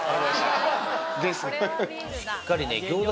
しっかりね餃子